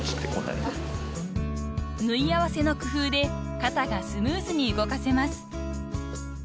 ［縫い合わせの工夫で肩がスムーズに動かせます］